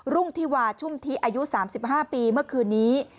รุ่งธิวาชุ่มทิอายุ๓๕ปีเมื่อคืนนี้